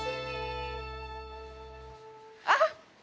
あっ！